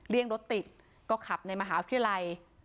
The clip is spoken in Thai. เลี่ยงรถติดก็ขับในมหาวิทยาลัย